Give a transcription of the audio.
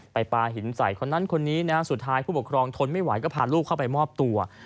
ปลาหินใส่คนนั้นคนนี้นะฮะสุดท้ายผู้ปกครองทนไม่ไหวก็พาลูกเข้าไปมอบตัว